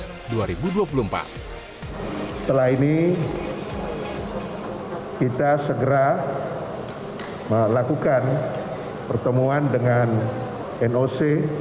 setelah ini kita segera melakukan pertemuan dengan noc